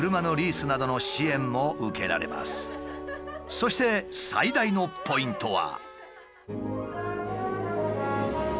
そして最大のポイントは。